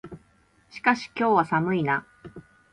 しかし、今日は寒いな。